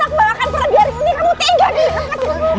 aku gak akan pernah biarin ini kamu tinggal di rumah